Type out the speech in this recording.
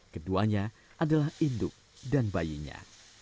keduanya adalah induk dan bayinya